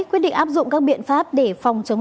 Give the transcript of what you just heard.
quyết định áp dụng các biện pháp để phòng chống